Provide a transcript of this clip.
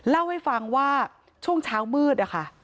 เล่าให้ฟังว่าช่วงเช้ามืดนะคะ